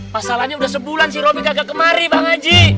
pasalannya udah sebulan si robi kagak kemari pak ngaji